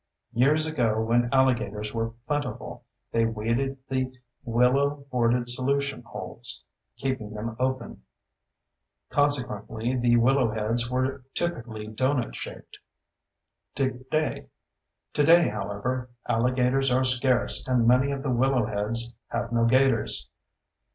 Years ago, when alligators were plentiful, they weeded the willow bordered solution holes, keeping them open. Consequently, the willow heads were typically donut shaped. Today, however, alligators are scarce and many of the willow heads have no 'gators.